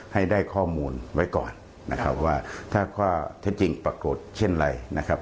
ให้ได้ข้อมูลไว้ก่อนนะครับว่าถ้าข้อเท็จจริงปรากฏเช่นไรนะครับ